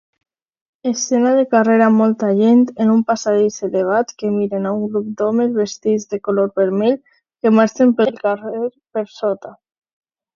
Escena de carrer amb molta gent en un passadís elevat que miren a un grup d'homes vestits de color vermell que marxen pel carrer per sota